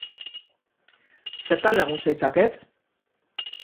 Zertan lagun zaitzaket?